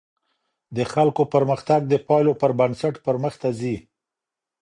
د خلګو پرمختګ د پایلو پر بنسټ پرمخته ځي.